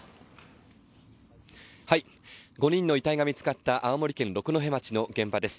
５人の遺体が見つかった青森県六戸町の現場です。